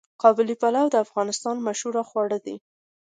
قابلي پلو د افغانستان مشهور خواړه دي.